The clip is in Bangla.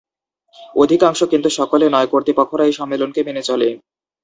অধিকাংশ, কিন্তু সকলে নয়, কর্তৃপক্ষরা এই সম্মেলনকে মেনে চলে।